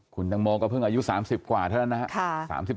คุณน้องหมอก็เพิ่งอายุ๓๐กว่าเท่านั้นนะ